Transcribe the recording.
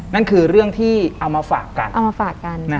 นั่นคือเรื่องที่เอามาฝากกัน